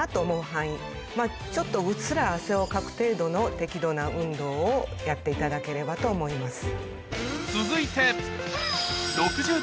範囲ちょっとうっすら汗をかく程度の適度な運動をやっていただければと思います。